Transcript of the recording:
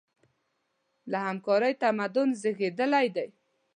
له همکارۍ تمدن زېږېدلی دی.